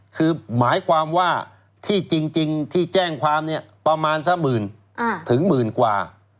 คือหมายความว่าที่จริงที่แจ้งความเนี่ยประมาณสักหมื่นถึงหมื่นกว่า